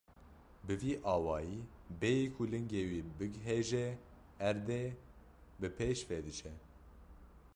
Bi vî awayî bêyî ku lingê wî bighêje erdê, bi pêş ve diçe.